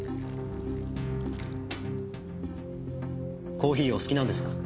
コーヒーお好きなんですか？